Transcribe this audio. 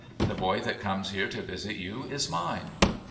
the boy that comes here to visit you is mine.'